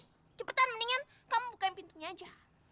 cepetan mendingan kamu bukain pintunya aja